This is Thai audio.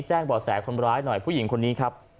บ่อแสคนร้ายหน่อยผู้หญิงคนนี้ครับ